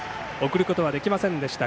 送ることはできませんでした